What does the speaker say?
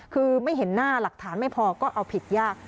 คือไม่เห็นหน้าหลักฐานไม่พอก็เอาผิดยาก